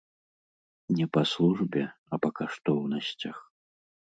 Не па службе, а па каштоўнасцях.